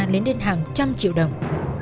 nên đến hàng trăm triệu đồng